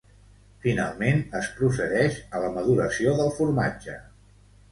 Finalment es procedeix a la maduració del formatge.